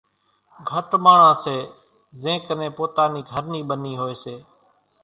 گھٽ ماڻۿان سي زين ڪنين پوتا نِي گھر نِي ٻنِي هوئيَ سي۔